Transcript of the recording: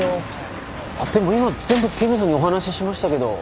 でも今全部刑事さんにお話ししましたけど。